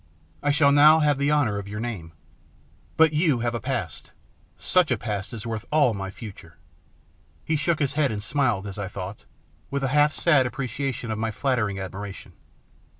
I shall now have the honour of your name. But you have a past. Such a past as is worth all my future." He shook his head and smiled, as I thought, with half sad appreciation of my flattering admira tion.